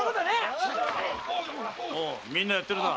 みんなやってるな。